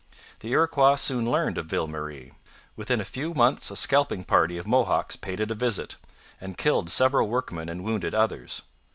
The Iroquois soon learned of Ville Marie. Within a few months a scalping party of Mohawks paid it a visit, and killed several workmen and wounded others.